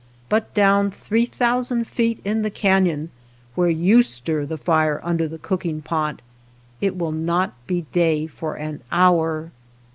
But down three thousand feet in the canon, where you stir the fire under the cooking pot, it will not be day for an hour.